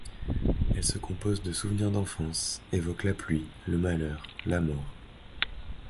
Elle se compose de souvenirs d'enfance, évoque la pluie, le malheur, la mort.